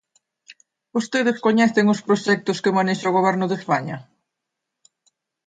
¿Vostedes coñecen os proxectos que manexa o Goberno de España?